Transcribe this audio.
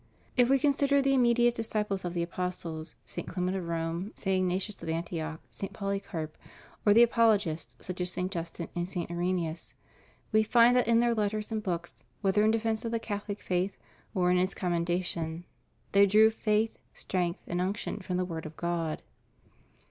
If we consider the im mediate disciples of the apostles, St. Clement of Rome, St. Ignatius of Antioch, St. Polycarp — or the apologists, such as St. Justin and St. Irenseus, we find that in their letters and books, whether in defence of the Catholic faith or in its commendation, they drew faith, strength, and unction from the Word of God.